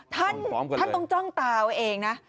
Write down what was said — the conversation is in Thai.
ท่านต้องจ้องตาเอาเองนะ